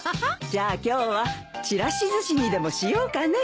じゃあ今日はちらしずしにでもしようかね。